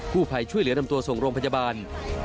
ผู้ภัยช่วยเหลือนำตัวส่งโรงพยาบาล